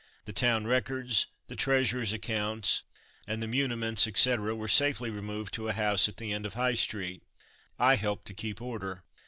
The town records, the treasurer's accounts, and the muniments, etc., were safely removed to a house at the end of High street. I helped to keep order.